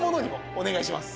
お願いします。